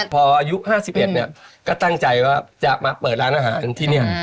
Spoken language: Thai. พออายุ๕๑เนี่ยก็ตั้งใจว่าจะมาเปิดร้านอาหารที่นี่